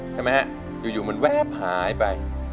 ใช่ไหมฮะอยู่มันแวบหายไป